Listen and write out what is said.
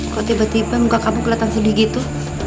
kok tiba tiba muka kamu kelihatan sedih gitu